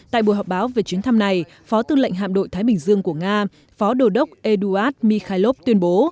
tại buổi họp báo về chuyến thăm này phó tư lệnh hạm đội thái bình dương của nga phó đồ đốc eduard mikhailov tuyên bố